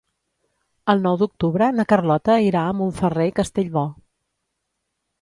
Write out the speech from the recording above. El nou d'octubre na Carlota irà a Montferrer i Castellbò.